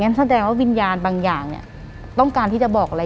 หลังจากนั้นเราไม่ได้คุยกันนะคะเดินเข้าบ้านอืม